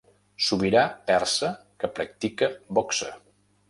Sobirà persa que practica boxa.